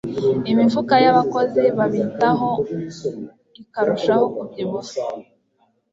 imifuka y'abakozi babitaho ikarushaho kubyibuha